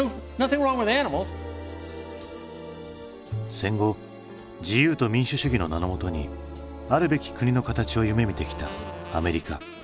戦後自由と民主主義の名のもとにあるべき国の形を夢みてきたアメリカ。